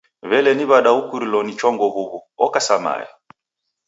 W'ele ni w'ada ukurilo ni chongo huw'u? Oka sa mae.